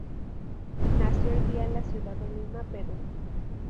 Nació el día en la ciudad de Lima, Perú.